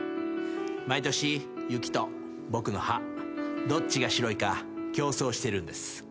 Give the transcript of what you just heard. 毎年雪と僕の歯どっちが白いか競争してるんです。